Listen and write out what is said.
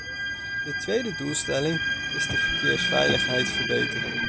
De tweede doelstelling is de verkeersveiligheid verbeteren.